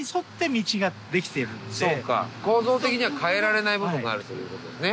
構造的には変えられない部分があるということですね。